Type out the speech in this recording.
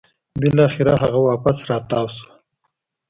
بلاخره هغه واپس راتاو شوه